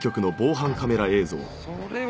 それは。